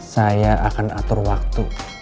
saya akan atur waktu